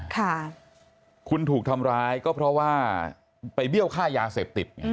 ค่ะคุณถูกทำร้ายก็เพราะว่าไปเบี้ยวค่ายาเสพติดไง